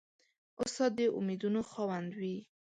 استاد د امیدونو خاوند وي.